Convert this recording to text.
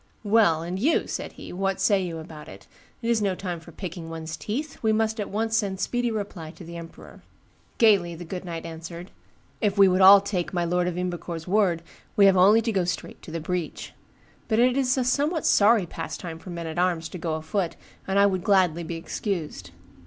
'Well, and you,' said he, 'what say you about it? It is no time for picking one's teeth; we must at once send speedy reply to the emperor.' Gayly the good knight answered, 'If we would all take my lord of Ymbercourt's word, we have only to go straight to the breach. But it is a somewhat sorry pastime for men at arms to go afoot, and I would gladly be excused.